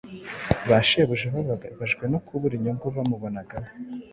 Ba shebuja bababajwe no kubura inyungu bamubonagaho.